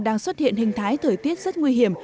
đang xuất hiện hình thái thời tiết rất nguy hiểm